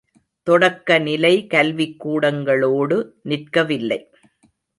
தொடக்க நிலை கல்விக்கூடங்களோடு நிற்கவில்லை.